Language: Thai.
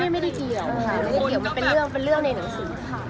ไม่ได้เกี่ยวมันเป็นเรื่องในหนังสือ